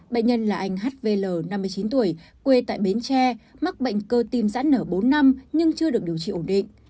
bệnh nhân là anh hvl năm mươi chín tuổi quê tại bến tre mắc bệnh cơ tim giãn nở bốn năm nhưng chưa được điều trị ổn định